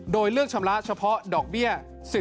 โดยเลือกชำระเฉพาะดอกเบี้ย